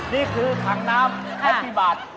นี่คือถังน้ำแฮปปี้บาท